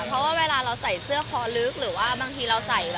เพราะว่าเวลาเราใส่เสื้อคอลึกหรือว่าบางทีเราใส่